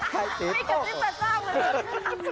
พอแล้ว